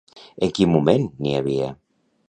En quin moment n'hi havia?